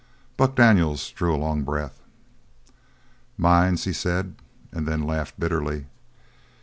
Buck Daniels drew a long breath. "Mines?" he said, and then laughed bitterly.